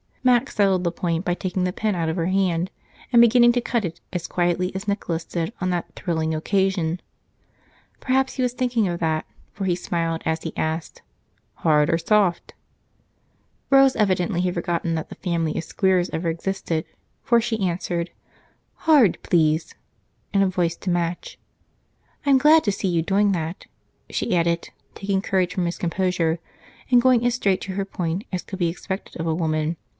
Mac settled the point by taking the pen out of her hand and beginning to cut it, as quietly as Nicholas did on that "thrilling" occasion. Perhaps he was thinking of that, for he smiled as he asked, "Hard or soft?" Rose evidently had forgotten that the family of Squeers ever existed, for she answered: "Hard, please," in a voice to match. "I'm glad to see you doing that," she added, taking courage from his composure and going as straight to her point as could be expected of a woman.